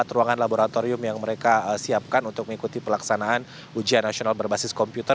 empat ruangan laboratorium yang mereka siapkan untuk mengikuti pelaksanaan ujian nasional berbasis komputer